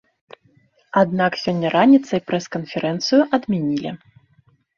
Аднак сёння раніцай прэс-канферэнцыю адмянілі.